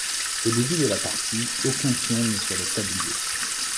Au début de la partie, aucun pion n'est sur le tablier.